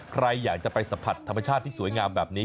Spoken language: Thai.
ใครอยากจะไปสัมผัสธรรมชาติที่สวยงามแบบนี้